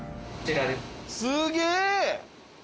すげえ。